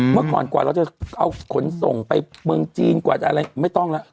เมื่อก่อนกว่าเราจะเอาขนส่งไปเมืองจีนกว่าจะอะไรไม่ต้องแล้ว